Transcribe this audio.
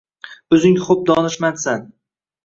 O’zing ho’p donishmandsan